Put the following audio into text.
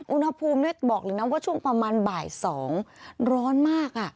อุณหภูมิบอกเลยนะว่าช่วงประมาณบ่าย๒ร้อนมาก